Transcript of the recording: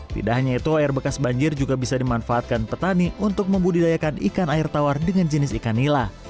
tidak hanya itu air bekas banjir juga bisa dimanfaatkan petani untuk membudidayakan ikan air tawar dengan jenis ikan nila